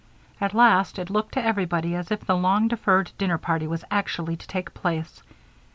At last, it looked to everybody as if the long deferred dinner party were actually to take place.